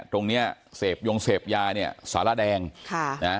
ตรงเนี้ยเสพยงเสพยาเนี่ยสารแดงค่ะนะ